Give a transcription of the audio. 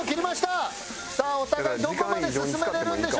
さあお互いどこまで進められるのでしょうか。